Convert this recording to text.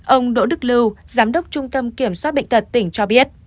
ông đỗ đức lưu giám đốc trung tâm kiểm soát bệnh tật tỉnh cho biết